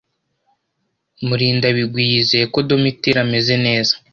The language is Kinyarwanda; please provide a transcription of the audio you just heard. Murindabigwi yizeye ko Domitira ameze neza